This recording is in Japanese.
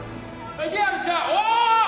お！